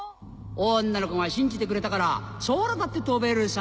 女の子が信じてくれたから空だって飛べるさ。